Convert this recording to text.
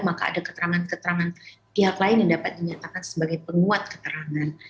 maka ada keterangan keterangan pihak lain yang dapat dinyatakan sebagai penguat keterangan